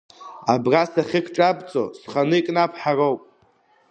Абра сахьыкҿабҵо сханы икнабҳароуп.